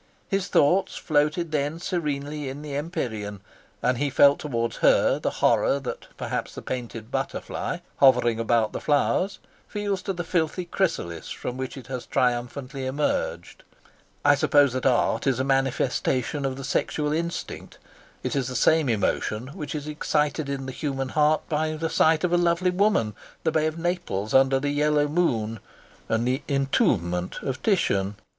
His thoughts floated then serenely in the empyrean, and he felt towards her the horror that perhaps the painted butterfly, hovering about the flowers, feels to the filthy chrysalis from which it has triumphantly emerged. I suppose that art is a manifestation of the sexual instinct. It is the same emotion which is excited in the human heart by the sight of a lovely woman, the Bay of Naples under the yellow moon, and the of Titian.